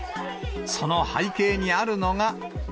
その背景にあるのが。